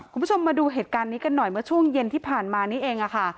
คุณผู้ชมมาดูเหตุการณ์นี้กันหน่อยเมื่อช่วงเย็นที่ผ่านมานี่เองค่ะ